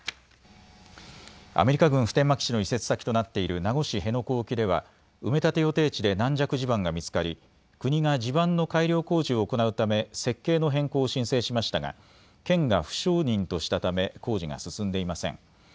アメリカ軍普天間基地の移設先となっている名護市辺野古沖では埋め立て予定地で軟弱地盤が見つかり、国が地盤の改良工事を行うため設計の変更を申請しましたが県が不承認としたため工事が進んでいません。